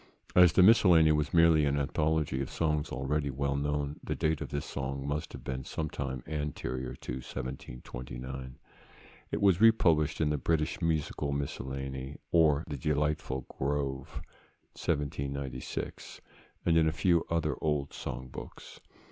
As the Miscellany was merely an anthology of songs already well known, the date of this song must have been sometime anterior to 1729. It was republished in the British Musical Miscellany, or the Delightful Grove, 1796, and in a few other old song books.